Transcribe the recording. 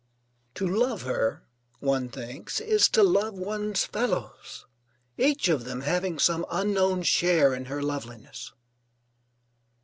To love her, one thinks, is to love one's fellows; each of them having some unknown share in her loveliness.